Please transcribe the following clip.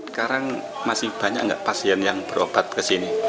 sekarang masih banyak nggak pasien yang berobat ke sini